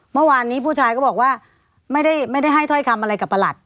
เมื่อวานนี้ผู้ชายก็บอกว่าไม่ได้ให้ถ้อยคำอะไรกับประหลัด